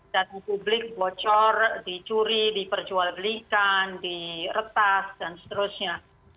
dan publik bocor dicuri diperjual belikan direpas dan seterusnya